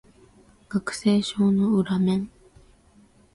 学生証の裏面